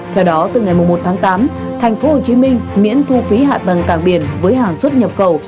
theo đó từ ngày một tháng tám tp hcm miễn thu phí hạ tầng cảng biển với hàng xuất nhập khẩu